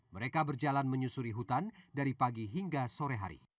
mereka berjalan menyusuri hutan dari pagi hingga sore hari